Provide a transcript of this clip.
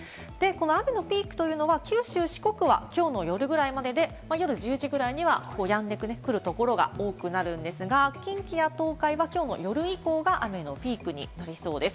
雨のピークというのは九州、四国はきょうの夜ぐらいまでで、夜１０時ぐらいには、やんでくるところが多くなるんですが、近畿や東海はきょうの夜以降が雨のピークになりそうです。